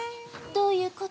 どういう事？